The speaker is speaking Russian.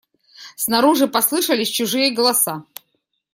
Снаружи послышались чужие голоса.